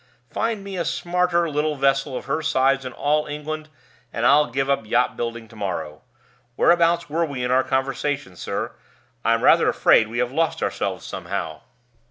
"Find me a smarter little vessel of her size in all England, and I'll give up yacht building to morrow. Whereabouts were we in our conversation, sir? I'm rather afraid we have lost ourselves somehow."